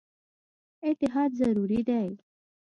اتحاد ضروري دی.